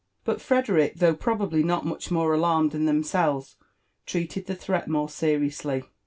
But Frederick, though probably not much more alarmed than themselves, treated the threat more seriously.